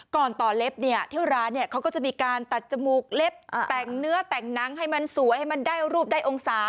ก่อนต่อเล็บเนี่ยเที่ยวร้านเนี่ยเขาก็จะมีการตัดจมูกเล็บแต่งเนื้อแต่งหนังให้มันสวยให้มันได้รูปได้องศา